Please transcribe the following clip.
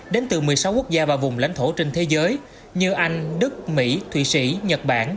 đến từ một mươi sáu quốc gia và vùng lãnh thổ trên thế giới như anh đức mỹ thụy sĩ nhật bản